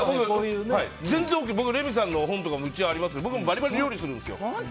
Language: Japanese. うち、レミさんの本とかもありますけど僕もバリバリ料理するんですよ。